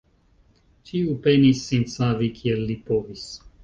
Ĉiu penis sin savi, kiel li povis.